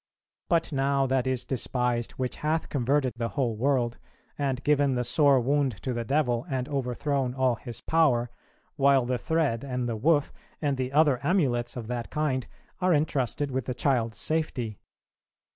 But now that is despised which hath converted the whole world, and given the sore wound to the devil, and overthrown all his power; while the thread, and the woof, and the other amulets of that kind, are entrusted with the child's safety."